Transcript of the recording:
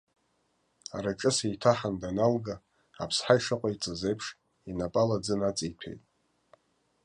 Араҿыс еиҭаҳан даналга, аԥсҳа ишыҟаиҵаз еиԥш, инапала аӡы наҵеиҭәеит.